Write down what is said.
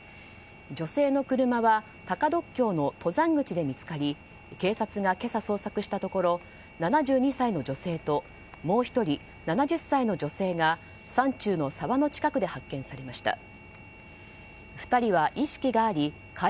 女性の車は高ドッキョウの登山口で見つかり警察が今朝、捜索したところ７２歳の女性ともう１人７０歳の女性が山中の沢の近くで発見されました。